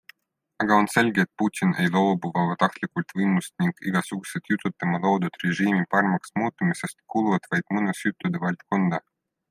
Aga on selge, et Putin ei loobu vabatahtlikult võimust ning igasugused jutud tema loodud režiimi paremaks muutumisest kuuluvad vaid muinasjuttude valdkonda.